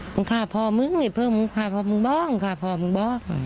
มึงฆ่าพ่อมึงนี่เพิ่มมึงฆ่าพ่อมึงบ้างฆ่าพ่อมึงบอก